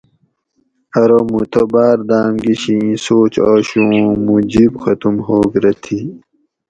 ارو مُوں تہ باۤر داۤم گشی اِیں سوچ آشو اُوں مُوں جِب ختم ہوگ رہ تھی